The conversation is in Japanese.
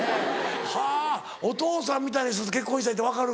はぁお父さんみたいな人と結婚したいって分かる？